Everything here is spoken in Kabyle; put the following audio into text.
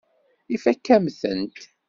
Ifakk-am-tent.